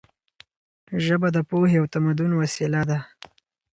ژبه د پوهې او تمدن وسیله ده.